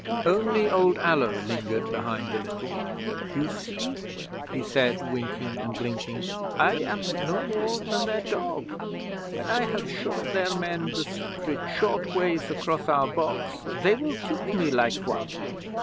'Only old Allo lingered behind a little. '"You see," he said, winking and blinking, "I am no more than their dog. When I have shown their men the secret short ways across our bogs, they will kick me like one."